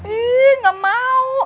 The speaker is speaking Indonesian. ih gak mau